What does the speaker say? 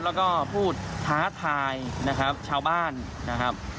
แล้วก็พูดท้าทายชาวบ้านนะครับ